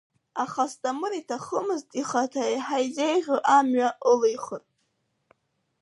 Аха Асҭамыр иҭахымызт ихаҭа еиҳа изеиӷьу амҩа ылихыр.